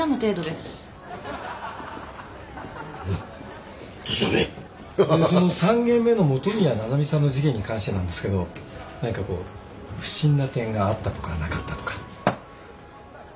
でその３件目の元宮七海さんの事件に関してなんですけど何かこう不審な点があったとかなかったとか。